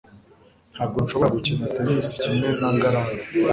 ntabwo nshobora gukina tennis kimwe na ngarambe